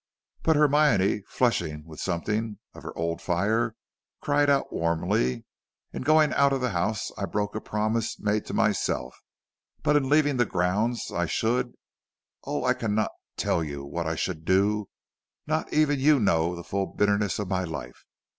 But Hermione, flushing with something of her old fire, cried out warmly: "In going out of the house I broke a promise made to myself, but in leaving the grounds I should oh, I cannot tell you what I should do; not even you know the full bitterness of my life!